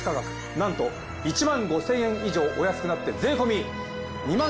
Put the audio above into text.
なんと１５，０００円以上お安くなって。